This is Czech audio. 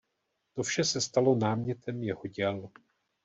To vše se stalo námětem jeho děl.